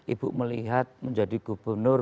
ibu melihat menjadi gubernur